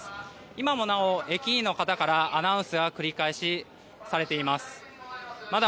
今もなお駅員の方からアナウンスが繰り返しされています。